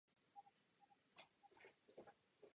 Povaha Marie Magdaleny byla podobná povaze Kristiny.